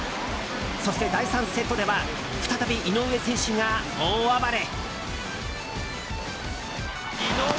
そして、第３セットでは再び井上選手が大暴れ。